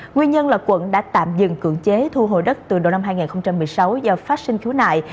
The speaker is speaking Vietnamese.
nguyên nhân là quận đã tạm dừng cưỡng chế thu hồi đất từ đầu năm hai nghìn một mươi sáu do phát sinh khiếu nại